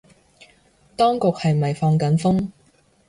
當局係咪放緊風